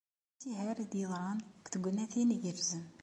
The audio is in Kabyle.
D asiher i d-yeḍran deg tegnatin igerrzen.